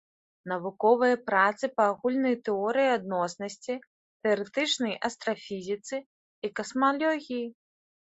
Навуковыя працы па агульнай тэорыі адноснасці, тэарэтычнай астрафізіцы і касмалогіі.